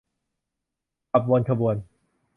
ขับวนขบวน